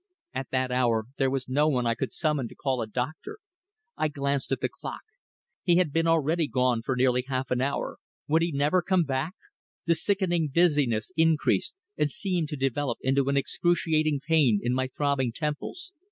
At that hour there was no one I could summon to call a doctor. I glanced at the clock. He had been already gone nearly half an hour. Would he never come back? The sickening dizziness increased, and seemed to develop into an excruciating pain in my throbbing temples.